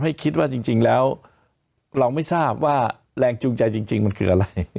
ให้คิดว่าจริงแล้วเราไม่ทราบว่าแรงจูงใจจริงมันคืออะไร